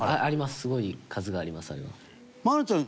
すごい、数があります、あれは。